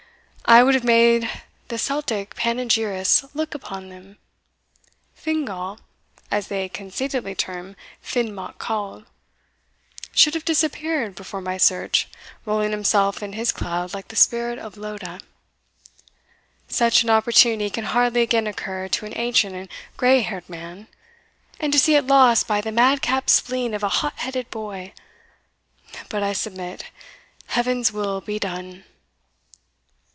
I would have made the Celtic panegyrists look about them. Fingal, as they conceitedly term Fin Mac Coul, should have disappeared before my search, rolling himself in his cloud like the spirit of Loda. Such an opportunity can hardly again occur to an ancient and grey haired man; and to see it lost by the madcap spleen of a hot headed boy! But I submit Heaven's will be done!"